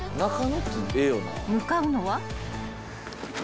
［向かうのは］